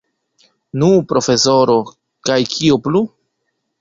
Nu, profesoro, kaj kio plu?